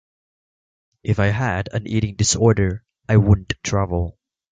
If I had an eating disorder, I wouldn't travel.